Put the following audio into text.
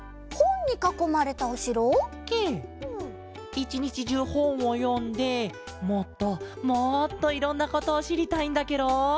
いちにちじゅうほんをよんでもっともっといろんなことをしりたいんだケロ。